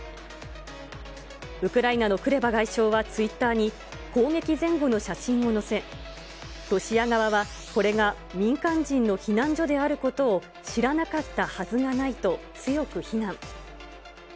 ウクライナのクレバ外相はツイッターに、攻撃前後の写真を載せ、ロシア側は、これが民間人の避難所であることを知らなかったはずがないと強く非難。